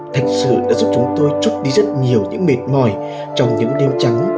thật sự đã giúp chúng tôi chút đi rất nhiều những mệt mỏi trong những đêm trắng